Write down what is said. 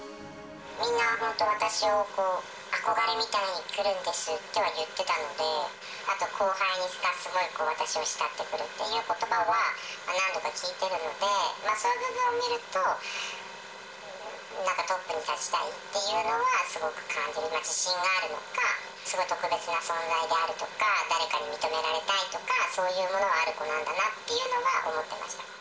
みんな本当、私を憧れみたいに来るんですとは言ってたので、あと、後輩がすごい、私を慕ってくるっていうことばは何度か聞いてるので、そういう部分を見ると、トップに立ちたいっていうのは、すごく感じますし、自信があるのか、すごい特別な存在であるとか、誰かに認められたいとか、そういうものがある子なんだなっていうのは思ってました。